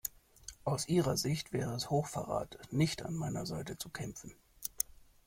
Aus ihrer Sicht wäre es Hochverrat, nicht an meiner Seite zu kämpfen.